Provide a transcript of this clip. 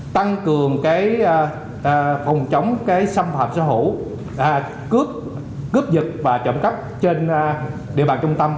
tăng cường cái phòng chống cái xâm phạm xã hữu cướp dịch và trộm cắp trên địa bàn trung tâm